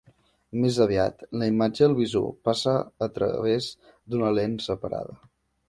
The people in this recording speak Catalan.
Més aviat, la imatge al visor passa a través d'una lent separada.